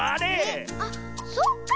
あっそうか。